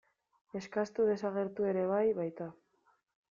Eskastu desagertu ere bai baita.